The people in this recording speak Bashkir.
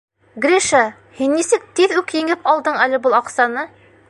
— Гриша, һин нисек тиҙ үк еңеп алдың әле был аҡсаны?